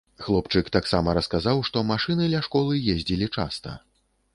Хлопчык таксама расказаў, што машыны ля школы ездзілі часта.